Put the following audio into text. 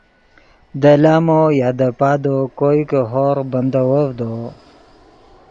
دے لامو یا دے پادو کوئے کہ ہورغ بندیوڤدو